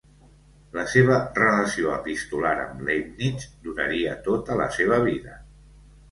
La seva relació epistolar amb Leibnitz duraria tota la seva vida.